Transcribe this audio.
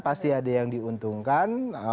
pasti ada yang diuntungkan